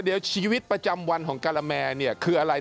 เดี๋ยวชีวิตประจำวันของการาแมเนี่ยคืออะไร